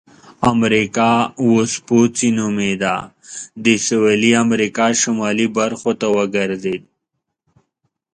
امریکا وسپوچې نومیده د سویلي امریکا شمالي برخو ته وګرځېد.